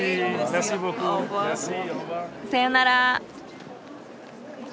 さよなら。